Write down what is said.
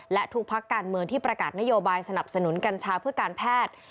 และทุกพักการเมืองที่ประกาศนโยบายสนับสนุนกัญชาเพื่อการแพทย์